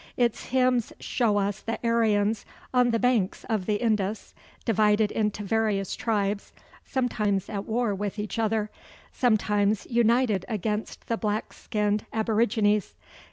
Its hymns show us the Aryans on the banks of the Indus, divided into various tribes, sometimes at war with each other, sometimes united against the "black skinned" aborigines.